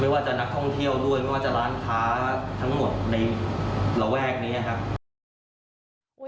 ไม่ว่าจะร้านค้าทั้งหมดในระแวกนี้นะครับ